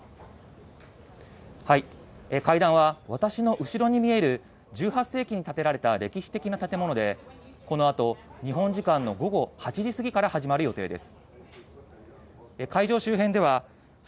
会談は、私の後ろに見える１８世紀に建てられた歴史的な建物で、このあと、日本時間の午後８時過ぎから始まる予定です。